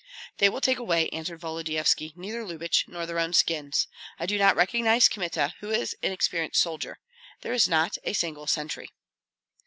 "They will take away," answered Volodyovski, "neither Lyubich nor their own skins. I do not recognize Kmita, who is an experienced soldier. There is not a single sentry."